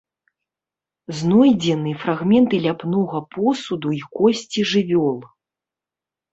Знойдзены фрагменты ляпнога посуду і косці жывёл.